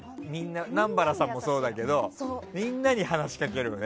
南原さんもそうだけどみんなに話しかけるね。